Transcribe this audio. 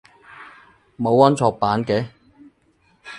冇安卓版嘅？